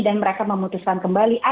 dan mereka memutuskan kembali